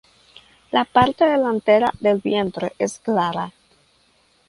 La parte delantera del vientre es clara.